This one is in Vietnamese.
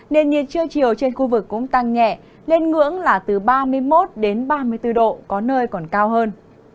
nền nhiệt chưa chiều trên khu vực cũng tăng nhẹ lên ngưỡng là từ ba mươi một đến ba mươi bốn độ có nơi còn cao hơn